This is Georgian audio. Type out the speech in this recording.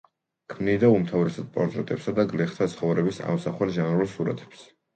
ქმნიდა უმთავრესად პორტრეტებსა და გლეხთა ცხოვრების ამსახველ ჟანრულ სურათებს.